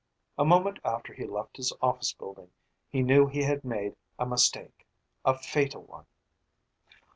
A moment after he left his office building, he knew he had made a mistake a fatal one!